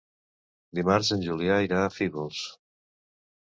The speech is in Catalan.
Dimarts en Julià irà a Fígols.